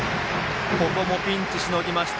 ここもピンチしのぎました